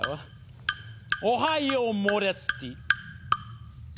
おはようモレツティ。